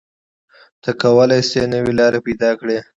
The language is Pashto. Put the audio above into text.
ته کولی شې نوې لارې پیدا کړې.